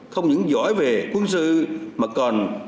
không những giỏi về quân sự mà còn linh hồn